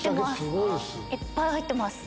いっぱい入ってます。